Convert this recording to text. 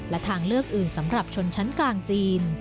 และทางเลือกอื่นสำหรับชนชั้นกลางจีน